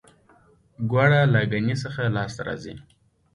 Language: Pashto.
ګوړه له ګني څخه لاسته راځي